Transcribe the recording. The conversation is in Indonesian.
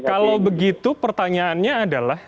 kalau begitu pertanyaannya adalah